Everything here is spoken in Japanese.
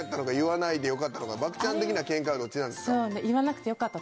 ばくちゃん的には見解はどっちなんですか？